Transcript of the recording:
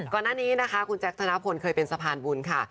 ก่อนหน้านี้นะคะคุณแจ๊คธนพลเคยเป็นสะพานบุญค่ะ